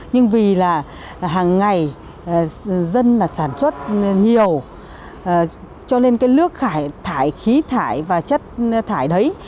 nhưng vì là hàng ngày dân là sản xuất nhiều cho lên cái lước thải khí thải và chất thải đấy